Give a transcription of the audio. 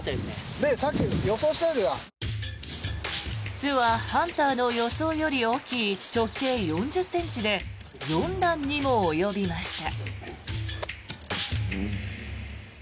巣はハンターの予想より大きい直径４０ｍで４段にも及びました。